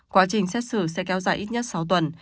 quá trình xét xử sẽ kéo dài ít nhất sáu tuần